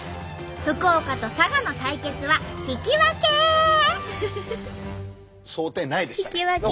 福岡と佐賀の対決は引き分けかよ。